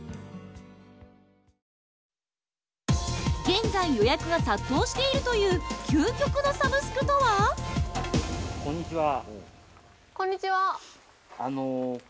◆現在予約が殺到しているという究極のサブスクとは？